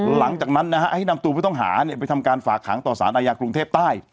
หลังจากนั้นนะฮะให้นำตัวผู้ต้องหาไปทำการฝากขังต่อสารอาญากรุงเทพใต้